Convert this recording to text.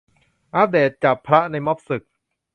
อัพเดต "จับพระในม็อบสึก"